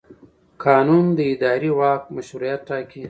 قانون د اداري واک مشروعیت ټاکي.